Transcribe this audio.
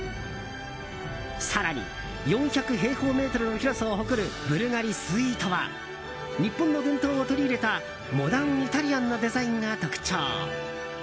更に、４００平方メートルの広さを誇るブルガリスイートは日本の伝統を取り入れたモダンイタリアンなデザインが特徴。